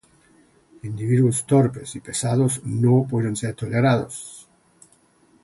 Individuos torpes y pesados no pueden ser tolerados.